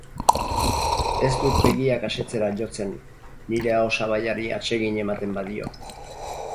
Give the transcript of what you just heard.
Ez dut begiak asetzera jotzen, nire ahosabaiari atsegin ematen badio.